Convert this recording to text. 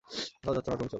কোথাও যাচ্ছো না তুমি চলো।